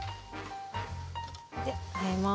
であえます。